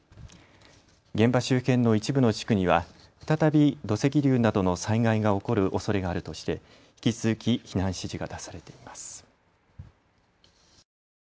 現場周辺の一部の地区には再び土石流などの災害が起こるおそれがあるとして引き続き避難指示が出されています。